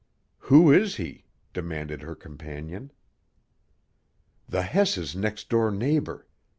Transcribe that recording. "Who is he?" demanded her companion. "The Hess's next door neighbor.